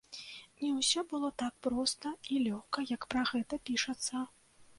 Не ўсё было так проста і лёгка, як пра гэта пішацца.